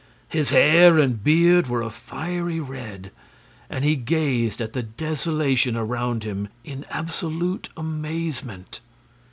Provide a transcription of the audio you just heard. His hair and beard were a fiery red, and he gazed at the desolation around him in absolute amazement.